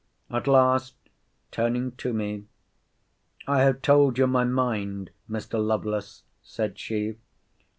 At last, turning to me, I have told you my mind, Mr. Lovelace, said she.